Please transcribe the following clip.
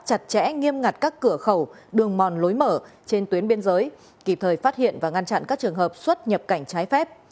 chặt chẽ nghiêm ngặt các cửa khẩu đường mòn lối mở trên tuyến biên giới kịp thời phát hiện và ngăn chặn các trường hợp xuất nhập cảnh trái phép